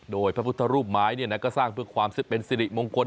โดยพระพุทธรูปไม้ก็สร้างเพื่อความเป็นสิริมงคล